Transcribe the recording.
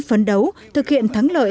phấn đấu thực hiện thắng lợi